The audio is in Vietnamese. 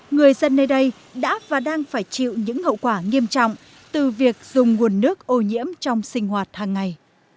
người dân nơi đây đã và đang phải chịu những hậu quả nghiêm trọng từ việc dùng nguồn nước ô nhiễm trong sinh hoạt hàng ngày